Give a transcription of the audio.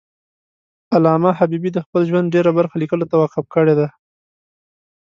علامه حبیبي د خپل ژوند ډېره برخه لیکلو ته وقف کړی ده.